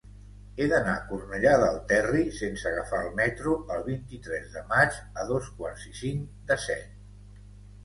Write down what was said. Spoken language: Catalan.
He d'anar a Cornellà del Terri sense agafar el metro el vint-i-tres de maig a dos quarts i cinc de set.